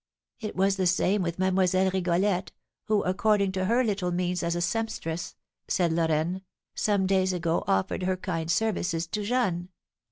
"It was the same with Mademoiselle Rigolette, who, according to her little means as a sempstress," said Lorraine, "some days ago offered her kind services to Jeanne."